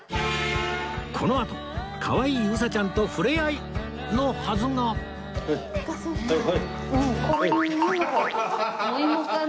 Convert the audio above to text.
このあとかわいいうさちゃんと触れ合いのはずがおい。